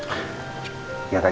bapak juga mau operasi